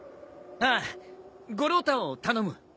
ああ五郎太を頼む。